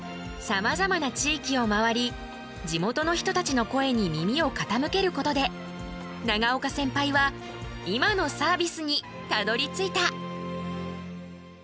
さまざまな地域を回り地元の人たちの声に耳をかたむけることで永岡センパイは今のサービスにたどりついた。